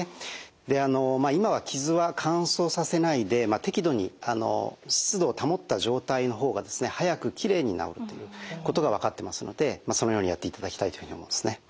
今は傷は乾燥させないで適度に湿度を保った状態の方が早くきれいに治るということが分かってますのでそのようにやっていただきたいというふうに思うんですね。